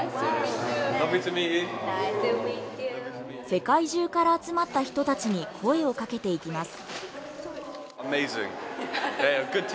世界中から集まった人たちに声をかけていきます